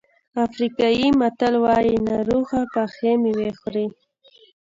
افریقایي متل وایي ناروغه پخې مېوې خوري.